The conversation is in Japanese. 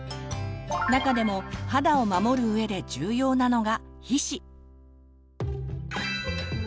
中でも肌を守るうえで重要なのが「皮脂」。